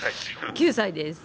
９歳です。